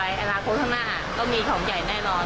เดี๋ยวต่อไปต่อไปอนาคมข้างหน้าอ่ะก็มีของใหญ่แน่นอน